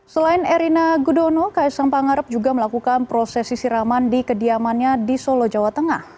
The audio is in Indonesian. selain erina gudono kaisang pangarep juga melakukan prosesi siraman di kediamannya di solo jawa tengah